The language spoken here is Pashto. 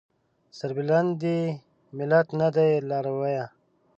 سربلند دې ملت نه دی لارويه